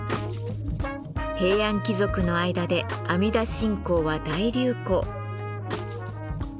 平安貴族の間で阿弥陀信仰は大流行。